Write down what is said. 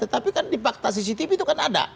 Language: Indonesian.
tetapi kan di fakta cctv itu kan ada